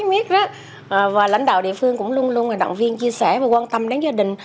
biết và lãnh đạo địa phương cũng luôn luôn động viên chia sẻ và quan tâm đến gia đình